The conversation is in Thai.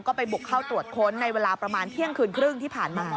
ก็ไปบุกเข้าตรวจค้นในเวลาประมาณเที่ยงคืนครึ่งที่ผ่านมา